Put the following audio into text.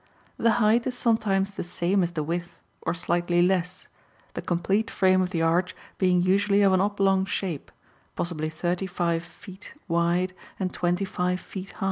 The height is sometimes the same as the width, or slightly less, the complete frame of the arch being usually of an oblong shape, possibly thirty five feet wide and twenty five feet high.